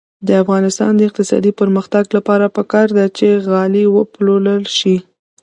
د افغانستان د اقتصادي پرمختګ لپاره پکار ده چې غالۍ وپلورل شي.